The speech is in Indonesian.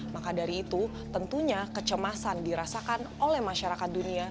maka dari itu tentunya kecemasan dirasakan oleh masyarakat dunia